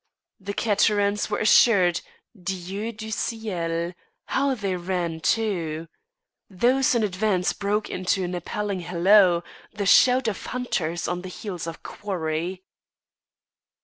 The caterans were assured; Dieu du ciel, how they ran too! Those in advance broke into an appalling halloo, the shout of hunters on the heels of quarry.